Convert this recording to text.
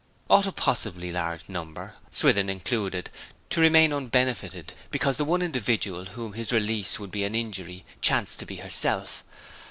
Ought a possibly large number, Swithin included, to remain unbenefited because the one individual to whom his release would be an injury chanced to be herself?